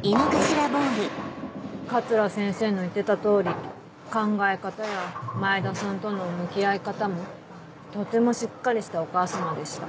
桂先生の言ってた通り考え方や前田さんとの向き合い方もとてもしっかりしたお母様でした。